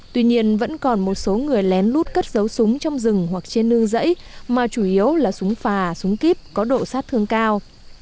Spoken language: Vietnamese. tuy nhiên vẫn còn một số người lén lút cất dấu súng trong rừng hoặc trên nương dãy mà chủ yếu là súng pha súng kip có độ sát thương cao